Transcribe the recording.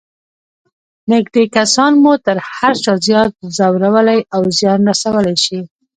نږدې کسان مو تر هر چا زیات ځورولای او زیان رسولای شي.